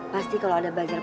pasti kalau ada bazar makanan